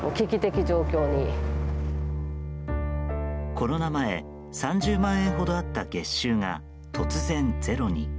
コロナ前、３０万円ほどあった月収が突然ゼロに。